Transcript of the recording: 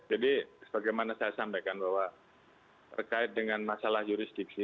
jadi bagaimana saya sampaikan bahwa terkait dengan masalah jurisdiksi